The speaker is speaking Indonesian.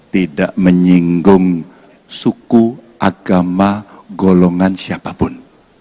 tidak menyinggung suku agama golongan siapapun